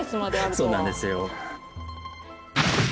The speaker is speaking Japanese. そうなんですよ。